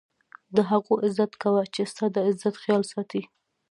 د هغو عزت کوه، چي ستا دعزت خیال ساتي.